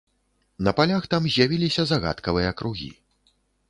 На палях там з'явіліся загадкавыя кругі.